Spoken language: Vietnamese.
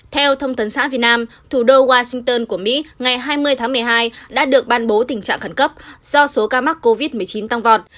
theo thông tấn xã việt nam thủ đô washington của mỹ ngày hai mươi tháng một mươi hai đã được ban bố tình trạng khẩn cấp do số ca mắc covid một mươi chín tăng vọt